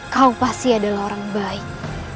kau pasti adalah orang baik